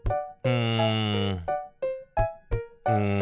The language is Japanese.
うん。